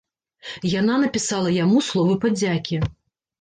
Яна напісала яму словы падзякі.